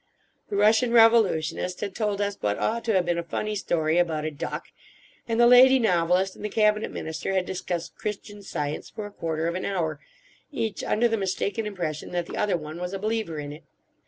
The Russian revolutionist had told us what ought to have been a funny story about a duck; and the lady novelist and the Cabinet Minister had discussed Christian Science for a quarter of an hour, each under the mistaken impression that the other one was a believer in it.